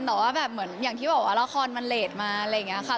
แต่ว่าแบบเหมือนอย่างที่บอกว่าละครมันเลสมาอะไรอย่างนี้ค่ะ